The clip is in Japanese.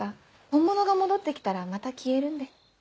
本物が戻って来たらまた消えるんで。